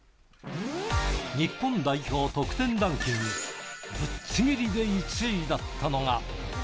日本代表得点ランキング、ぶっちぎりで１位だったのが。